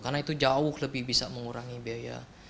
karena itu jauh lebih bisa mengurangi biaya